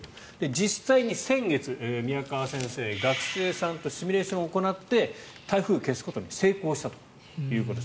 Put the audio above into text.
実際に先月、宮川先生学生さんとシミュレーションを行って台風を消すことに成功したということです。